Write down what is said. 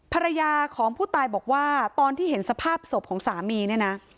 ภรรยาของผู้ตายบอกว่าตอนที่เห็นสภาพศพของสามีเนี่ยนะ